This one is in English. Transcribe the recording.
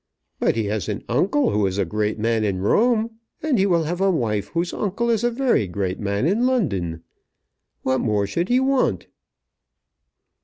But he has an uncle who is a great man in Rome. And he will have a wife whose uncle is a very great man in London. What more should he want?"